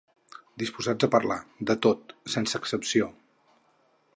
Disposats a parlar, de tot, sense excepció.